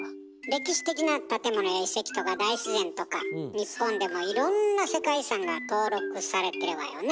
歴史的な建物や遺跡とか大自然とか日本でもいろんな世界遺産が登録されてるわよね。